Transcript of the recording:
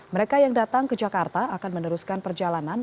mereka yang datang ke jakarta akan meneruskan perjalanan